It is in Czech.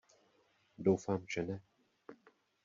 Doufám, že ne.